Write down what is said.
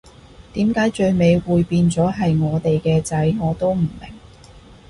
點解最尾會變咗係我哋嘅仔，我都唔明